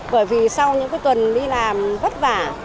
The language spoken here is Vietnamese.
bởi vì sau những tuần đi làm vất vả